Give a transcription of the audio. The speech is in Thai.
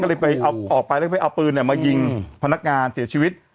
ก็เลยไปเอาออกไปแล้วไปเอาปืนมายิงพนักงานเสียชีวิต